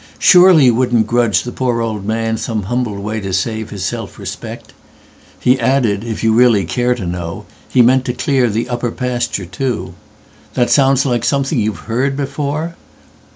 Surely you wouldn't grudge the poor old manSome humble way to save his self respect. He added, if you really care to know, He meant to clear the upper pasture, too. That sounds like something you have heard before?